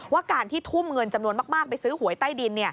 ว่าการที่ทุ่มเงินจำนวนมากไปซื้อหวยใต้ดิน